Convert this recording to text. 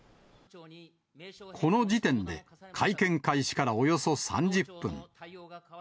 この時点で、会見開始からおよそ３０分。